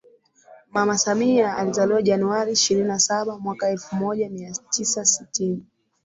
Mama Samia alizaliwa Januari ishirini na Saba mwaka elfu moja mia tisa sitini